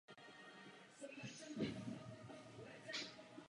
Po první světové válce se tu usadili i někteří členové Židovské legie.